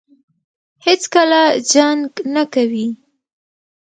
هېڅکله جنګ نه کوي.